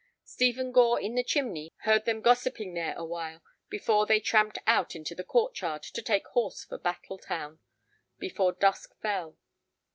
Stephen Gore in the chimney heard them gossiping there awhile before they tramped out into the court yard to take horse for Battle Town before dusk fell.